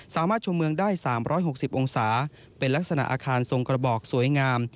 ชมเมืองได้๓๖๐องศาเป็นลักษณะอาคารทรงกระบอกสวยงาม